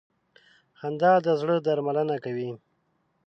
• خندا د زړه درملنه کوي.